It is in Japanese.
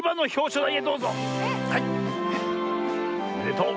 おめでとう。